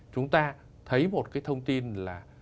chúng ta thấy một cái thông tin là